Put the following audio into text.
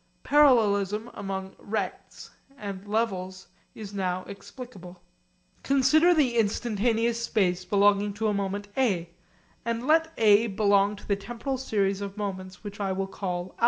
Parallelism among rects and levels is now explicable. Consider the instantaneous space belonging to a moment A, and let A belong to the temporal series of moments which I will call α.